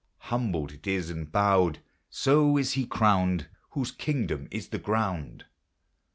Humbled it is and bowed ; bo is be crowned Whose kingdom is the ground.